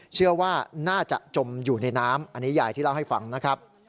เชื่อว่าน่าจะจมอยู่ในน้ำอันนี้ยายที่เล่าให้ฟังนะครับ